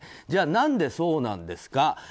じゃあ、何でそうなんですか。